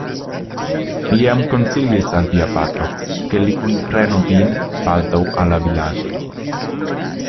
Mi jam konsilis al via patro, ke li kunprenu vin baldaŭ al la Vilaĝo.